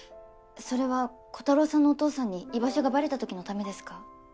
それはコタローさんのお父さんに居場所がバレた時のためですか？